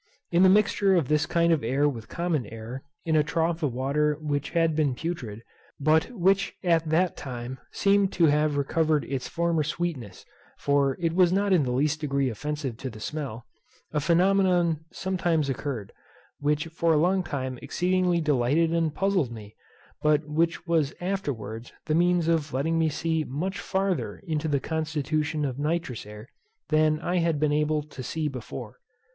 In the mixture of this kind of air with common air, in a trough of water which had been putrid, but which at that time seemed to have recovered its former sweetness (for it was not in the least degree offensive to the smell) a phenomenon sometimes occurred, which for a long time exceedingly delighted and puzzled me; but which was afterwards the means of letting me see much farther into the constitution of nitrous air than I had been able to see before.